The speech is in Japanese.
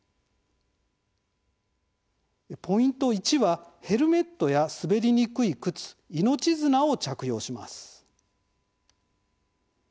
ポイント１はヘルメットや滑りにくい靴命綱を着用します。